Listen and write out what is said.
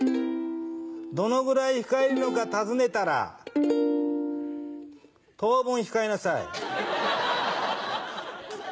どのぐらい控えるのか尋ねたら、とうぶん控えなさい。